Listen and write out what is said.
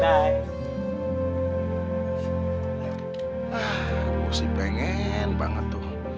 ah gue sih pengen banget tuh